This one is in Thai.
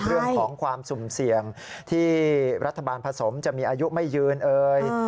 เรื่องของความสุ่มเสี่ยงที่รัฐบาลผสมจะมีอายุไม่ยืนเอ่ย